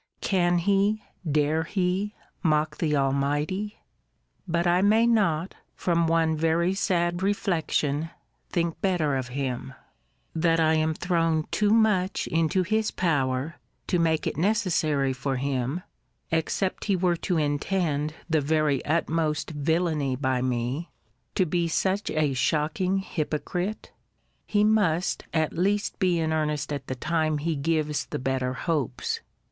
Can he, dare he, mock the Almighty? But I may not, from one very sad reflection, think better of him; that I am thrown too much into his power, to make it necessary for him (except he were to intend the very utmost villany by me) to be such a shocking hypocrite? He must, at least be in earnest at the time he gives the better hopes.